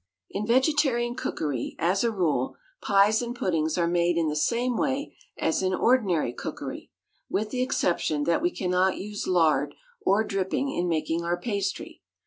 In vegetarian cookery, as a rule, pies and puddings are made in the same way as in ordinary cookery, with the exception that we cannot use lard or dripping in making our pastry.